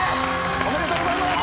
おめでとうございます！